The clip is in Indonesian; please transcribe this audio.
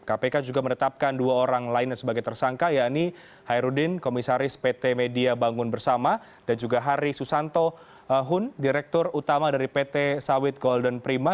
kpk juga menetapkan dua orang lainnya sebagai tersangka yakni hairudin komisaris pt media bangun bersama dan juga hari susanto hun direktur utama dari pt sawit golden prima